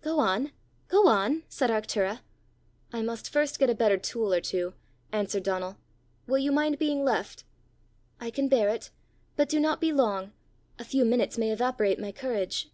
"Go on! go on!" said Arctura. "I must first get a better tool or two," answered Donal. "Will you mind being left?" "I can bear it. But do not be long. A few minutes may evaporate my courage."